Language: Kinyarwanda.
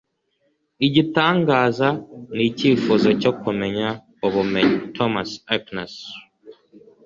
igitangaza ni icyifuzo cyo kumenya ubumenyi. - thomas aquinas